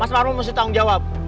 mas farou mesti tanggung jawab